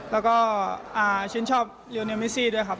แล้วก็ฉันชอบเรียนเรียนเมซี่ด้วยครับ